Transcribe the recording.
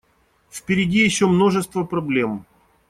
Впереди еще множество проблем.